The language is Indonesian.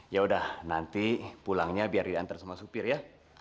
yaudah nanti pulangnya biar diantar sama supir ya